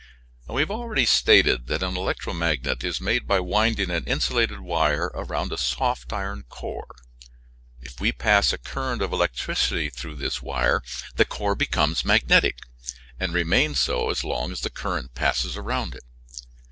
We have already stated that an electromagnet is made by winding an insulated wire around a soft iron core. If we pass a current of electricity through this wire the core becomes magnetic, and remains so as long as the current passes around it.